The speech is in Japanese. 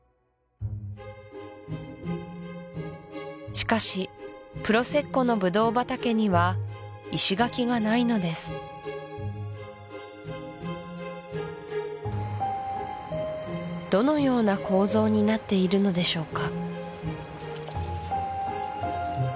しかしプロセッコのブドウ畑には石垣がないのですどのような構造になっているのでしょうか？